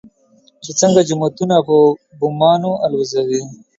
چې څنگه جوماتونه په بمانو الوزوي.